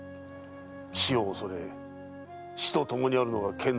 死を恐れ死とともにあるのが剣の道。